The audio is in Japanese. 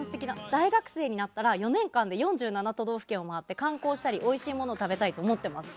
大学生になったら４年間で４７都道府県を回って観光したり、おいしいものを食べたりしたいと思っています。